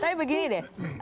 tapi begini deh